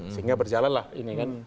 sehingga berjalan lah ini kan